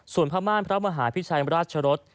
ส่วนพระม่านพระมหาพิชัยราชรส